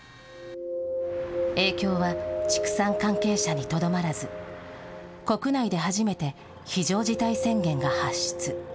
影響は畜産関係者にとどまらず、国内で初めて非常事態宣言が発出。